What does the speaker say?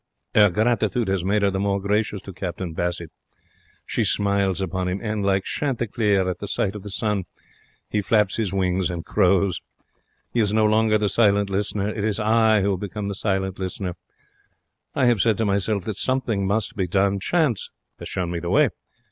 'Er gratitude has made her the more gracious to Captain Bassett. She smiles upon him. And, like Chanticleer at the sight of the sun, he flaps his wings and crows. He is no longer the silent listener. It is I who have become the silent listener. I have said to myself that something must be done. Chance has shown me the way.